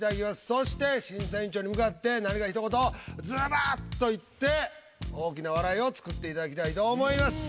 そして審査委員長に向かって何かひと言ズバッ！と言って大きな笑いを作っていただきたいと思います。